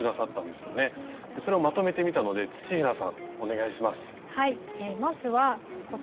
それをまとめてみたので土平さんお願いします。